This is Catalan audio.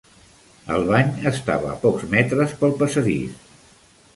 El bany estava a pocs metres pel passadís.